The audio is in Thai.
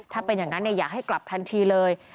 ถ้าเป็นอย่างนั้นอยากให้กลับทันทีเลย